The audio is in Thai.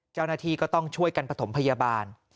เจ้าหน้าที่ก็ต้องช่วยกันประถมพยาบาล